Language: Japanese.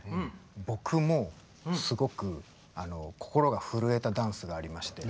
僕もすごく心がふるえたダンスがありまして。